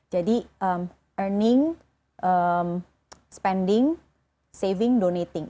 earning spending saving donating